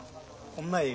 こんなええ